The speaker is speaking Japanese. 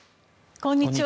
こんにちは。